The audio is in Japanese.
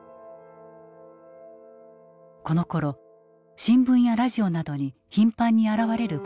このころ新聞やラジオなどに頻繁に現れる言葉がある。